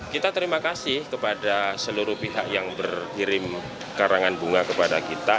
kita terima kasih kepada seluruh pihak yang berkirim karangan bunga kepada kita